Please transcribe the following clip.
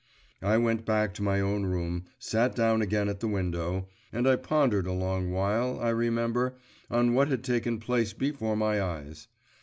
I went back to my own room, sat down again at the window, and I pondered a long while, I remember, on what had taken place before my eyes.